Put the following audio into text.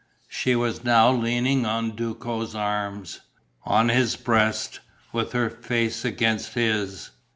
She was now leaning on Duco's arms, on his breast, with her face against his....